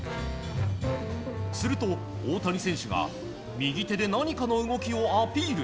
すると大谷選手が右手で何かの動きをアピール。